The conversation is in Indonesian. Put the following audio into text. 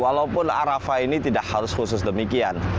walaupun arafah ini tidak harus khusus demikian